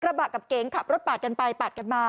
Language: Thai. บะกับเก๋งขับรถปาดกันไปปาดกันมา